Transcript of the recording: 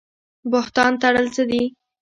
بهتان تړل څه دي؟